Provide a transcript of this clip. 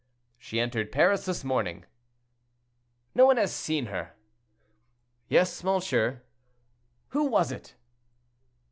"She entered Paris this morning." "No one has seen her." "Yes, monsieur." "Who was it?"